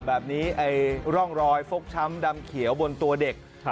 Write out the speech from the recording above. แบบนี้ร่องรอยฟกช้ำดำเขียวบนตัวเด็ก